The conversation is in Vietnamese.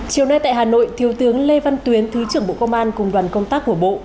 chiều nay tại hà nội thiếu tướng lê văn tuyến thứ trưởng bộ công an cùng đoàn công tác của bộ